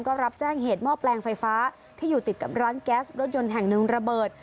ก็รับแจ้งเหตุหม้อแปลงไฟฟ้าที่อยู่ติดกับร้านแก๊สรถยนต์แห่งหนึ่งระเบิด